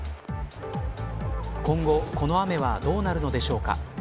今後この雨はどうなるのでしょうか。